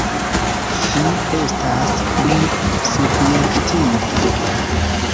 Fi estas pli subjektiva.